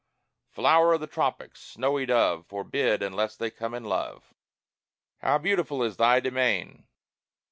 (Flower of the tropics, snowy dove, Forbid, unless they come in love.) IV How beautiful is thy demesne!